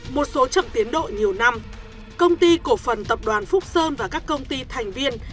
một số chậm tiến độ nhiều năm công ty cổ phần tập đoàn phúc sơn và các công ty thành viên